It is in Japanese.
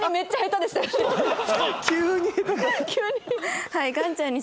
急に。